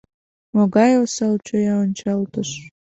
Могай осал чоя ончалтыш!